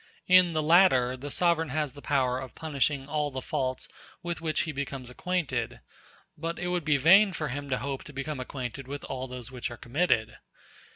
In the latter the sovereign has the power of punishing all the faults with which he becomes acquainted, but it would be vain for him to hope to become acquainted with all those which are committed.